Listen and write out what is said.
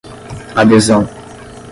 adesão